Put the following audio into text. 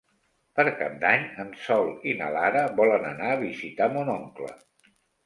Per Cap d'Any en Sol i na Lara volen anar a visitar mon oncle.